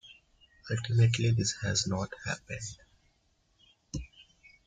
Ultimately, this has not happened.